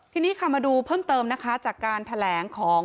ทีนี้ค่ะมาดูเพิ่มเติมนะคะจากการแถลงของ